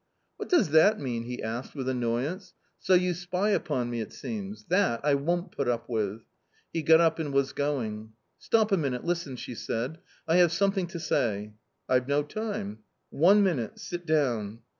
" What does that mean ?" he asked, with annoyance ;" so, you spy upon me, it seems ; that I won't put up with." He got up and was going. " Stop a minute, listen !" she said, " I have something to say." " Fve no time." " One minute ; sit down."